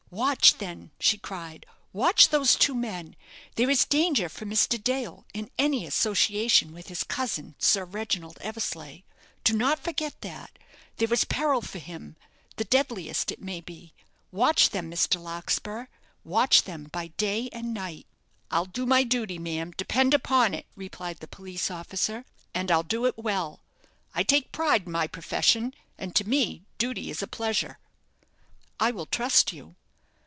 "Watch then," she cried; "watch those two men. There is danger for Mr. Dale in any association with his cousin, Sir Reginald Eversleigh. Do not forget that. There is peril for him the deadliest it may be. Watch them, Mr. Larkspur; watch them by day and night." "I'll do my duty, ma'am, depend upon it," replied the police officer; "and I'll do it well. I take a pride in my profession, and to me duty is a pleasure." "I will trust you."